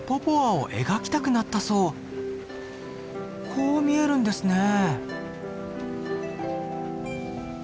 こう見えるんですねえ！